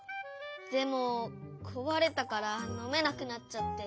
でもこわれたからのめなくなっちゃって。